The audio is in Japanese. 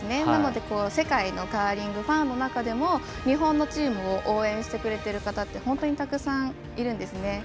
なので、世界のカーリングファンの中でも日本のチームを応援してくれている方って本当にたくさんいるんです。